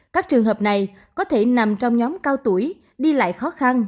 các trường hợp này có thể nằm trong nhóm cao tuổi đi lại khó khăn